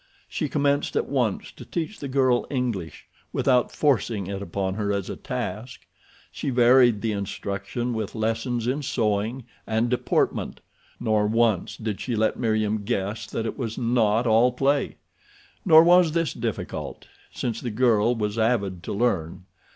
She commenced at once to teach the girl English without forcing it upon her as a task. She varied the instruction with lessons in sewing and deportment, nor once did she let Meriem guess that it was not all play. Nor was this difficult, since the girl was avid to learn.